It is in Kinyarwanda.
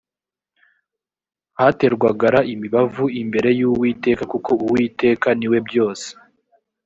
haterwagara imibavu imbere y’ uwiteka kuko uwiteka niwebyose.